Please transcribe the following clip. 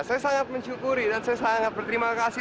saya sangat mensyukuri dan saya sangat berterima kasih